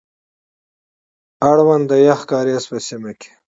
اړوند د يخ کاريز په سيمه کي،